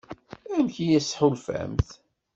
Amek i asen-tḥulfamt?